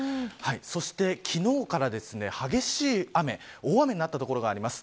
そして、昨日からですね激しい雨、大雨になった所があります。